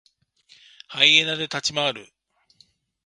ハイエナで立ち回る。